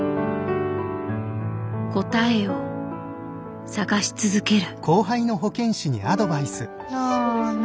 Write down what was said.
答えを探し続ける。